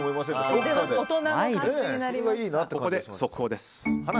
ここで速報です。